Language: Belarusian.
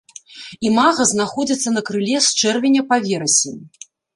Імага знаходзяцца на крыле з чэрвеня па верасень.